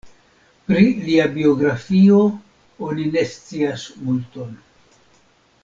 Pri lia biografio oni ne scias multon.